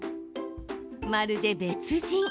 まるで別人。